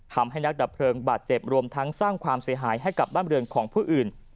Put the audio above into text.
ทำให้นักดับเพลิงบาดเจ็บรวมทั้งสร้างความเสียหายให้กับบ้านบริเวณของผู้อื่น